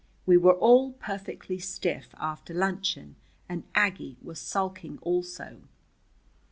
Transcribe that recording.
We were all perfectly stiff after luncheon, and Aggie was sulking also.